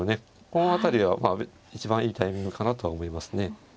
この辺りは一番いいタイミングかなとは思いますね。